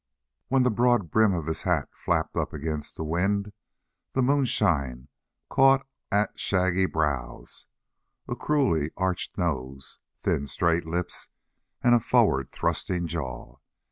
When the broad brim of his hat flapped up against the wind the moonshine caught at shaggy brows, a cruelly arched nose, thin, straight lips, and a forward thrusting jaw.